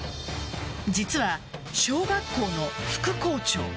実は小学校の副校長。